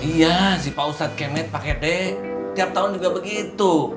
iya si pak ustadz kemet pakai d tiap tahun juga begitu